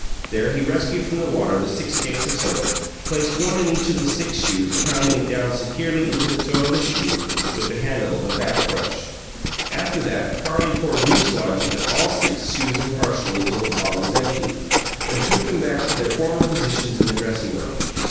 There he rescued from the water the six cakes of soap, placed one in each of the six shoes, pounding it down securely into the toe of the shoe with the handle of a back brush. After that, Carlie poured mucilage into all six shoes impartially until the bottle was empty, then took them back to their former positions in the dressing room.